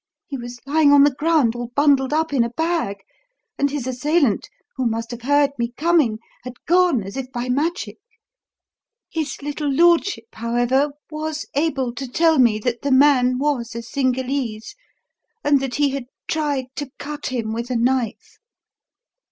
He was lying on the ground all bundled up in a bag, and his assailant, who must have heard me coming, had gone as if by magic. His little lordship, however, was able to tell me that the man was a Cingalese, and that he had 'tried to cut him with a knife.'"